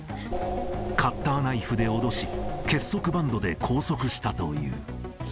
カッターナイフで脅し、結束バンドで拘束したという。